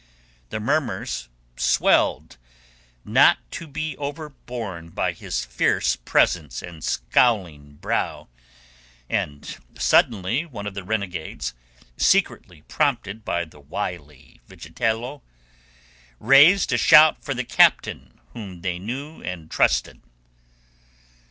The murmurs swelled, not to be overborne by his fierce presence and scowling brow, and suddenly one of the renegades—secretly prompted by the wily Vigitello—raised a shout for the captain whom they knew and trusted.